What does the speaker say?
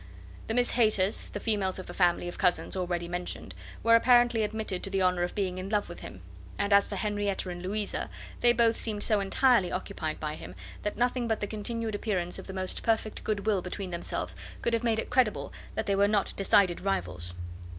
The Miss Hayters, the females of the family of cousins already mentioned, were apparently admitted to the honour of being in love with him; and as for Henrietta and Louisa, they both seemed so entirely occupied by him, that nothing but the continued appearance of the most perfect good will between themselves could have made it credible that they were not decided rivals.